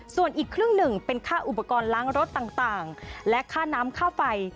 ส่วนอีกครึ่งหนึ่งเป็นค่าอุปกรณ์ล้างรถต่างและค่าน้ำค่าไฟ